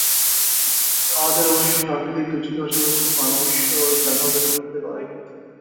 আমাদের অবশ্যই প্রাকৃতিক দুর্যোগের পাশাপাশি মনুষ্য দানবদের বিরুদ্ধেও লড়াই করতে হবে।